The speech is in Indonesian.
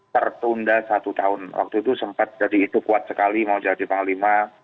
tertunda satu tahun waktu itu sempat jadi itu kuat sekali mau jadi panglima